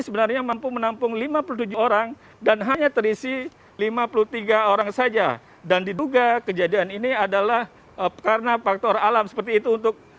sebenarnya mampu menampung lima puluh tujuh orang dan hanya terisi lima puluh tiga orang saja dan diduga kejadian ini adalah karena faktor alam seperti itu untuk